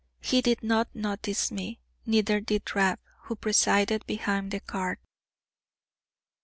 He did not notice me, neither did Rab, who presided behind the cart.